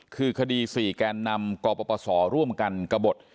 คือคดี๔แกนนำกปศร่วมกันกระบด